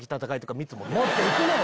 持っていくなよ。